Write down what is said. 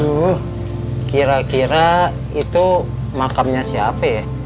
aduh kira kira itu makamnya siapa ya